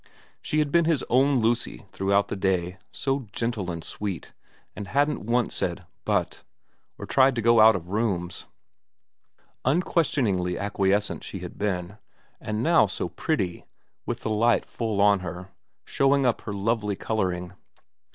She had been his own Lucy throughout the day, so gentle and sweet, and hadn't once said But, or tried to go out of rooms. Unquestioningiy acquiescent she had been ; and now so pretty, with the light full on her, showing up her lovely colouring.